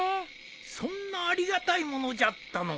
そんなありがたいものじゃったのか。